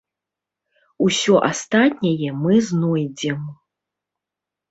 Усё астатняе мы знойдзем.